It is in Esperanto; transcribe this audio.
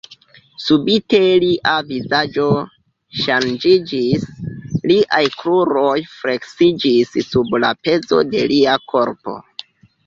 Subite lia vizaĝo ŝanĝiĝis; liaj kruroj fleksiĝis sub la pezo de lia korpo.